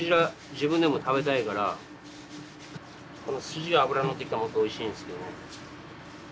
自分でも食べたいからすじが脂のってきたらもっとおいしいんですけどね。